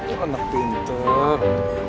oh anak pintar